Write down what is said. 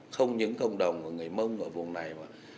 không những cộng đồng người mông ở vùng này